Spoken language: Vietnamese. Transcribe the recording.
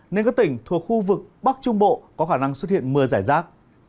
nên các tỉnh thuộc khu vực bắc trung bộ có khả năng xuất hiện mưa rải rác